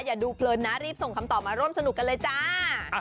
อย่าดูเพลินนะรีบส่งคำตอบมาร่วมสนุกกันเลยจ้า